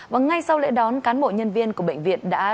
và ngay sau lễ đón cán bộ nhân viên của bệnh viện đã đưa đến khu vực lễ đón